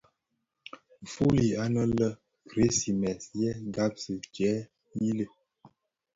Nfuli anë lè Gremisse a ghaksi jèè yilè.